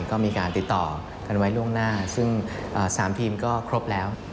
ก็มีการติดต่อกันไว้ล่วงหน้าซึ่ง๓ทีมก็ครบแล้ว